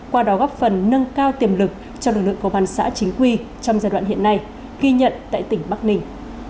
qua đó góp phần nâng cao tiềm lực cho lực lượng công an xã chính quy trong giai đoạn hiện nay ghi nhận tại tỉnh bắc ninh